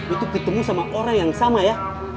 untuk ketemu sama orang yang sama ya